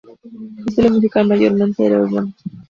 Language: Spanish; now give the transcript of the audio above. Su estilo musical mayormente era urbano.